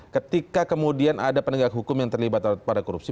ketika kemudian ada penegak hukum yang terlibat pada korupsi